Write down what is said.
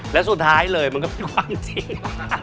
และสุดท้ายเลยมันก็เป็นความจริง